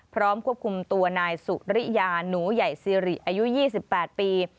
พร้อมควบคุมตัวนายสุริยาหนูใหญ่ซีริอายุ๒๘ปี